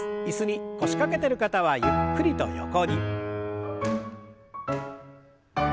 椅子に腰掛けてる方はゆっくりと横に。